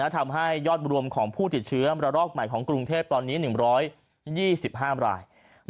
ทำให้ยอดรวมของผู้ติดเชื้อระลอกใหม่ของกรุงเทพตอนนี้๑๒๕ราย